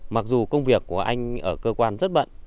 mặc dù công việc của anh ở cơ quan rất bận